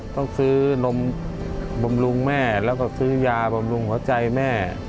ต้องซื้อนมบำรุงแม่แล้วก็ซื้อยาบำรุงหัวใจแม่